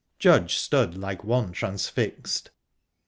Judge stood like one transfixed.